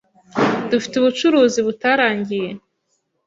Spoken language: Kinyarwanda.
Dufite ubucuruzi butarangiye.